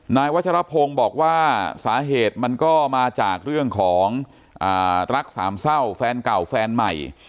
นายวัชรพงศ์บอกว่าสาเหตุมันก็มาจากเรื่องของรักสามเศร้าแฟนเก่าแฟนใหม่